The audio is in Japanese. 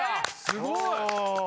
すごい！